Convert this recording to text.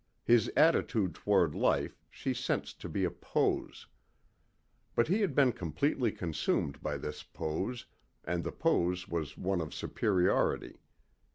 His attitude toward life she sensed to be a pose. But he had been completely consumed by this pose and the pose was one of superiority.